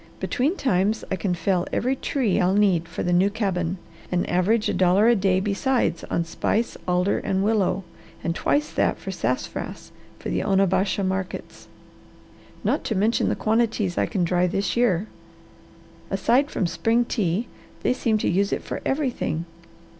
Between times I can fell every tree I'll need for the new cabin, and average a dollar a day besides on spice, alder, and willow, and twice that for sassafras for the Onabasha markets; not to mention the quantities I can dry this year. Aside from spring tea, they seem to use it for everything.